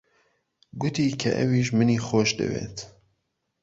گوتی کە ئەویش منی خۆش دەوێت.